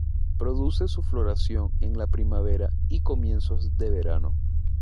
Produce su floración en la primavera y comienzos de verano.